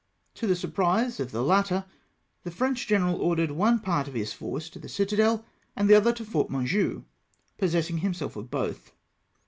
To the surprise of the latter, the French general ordered one part of his force to the citadel, and the other to Fort Monjui, possessing himself of both.